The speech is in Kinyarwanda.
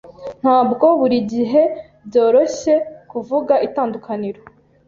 Ntabwo buri gihe byoroshye kuvuga itandukaniro.